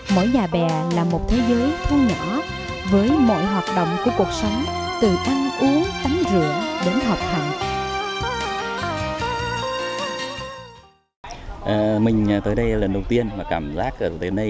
mỗi nhà bè là một thế giới thông nhỏ với mọi hoạt động của cuộc sống từ ăn uống tắm rượu đến học hành